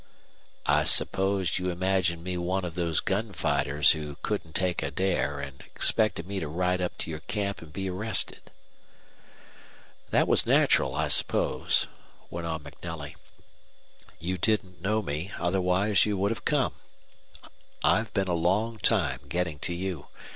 "I supposed you imagined me one of those gun fighters who couldn't take a dare and expected me to ride up to your camp and be arrested." "That was natural, I suppose," went on MacNelly. "You didn't know me, otherwise you would have come. I've been a long time getting to you.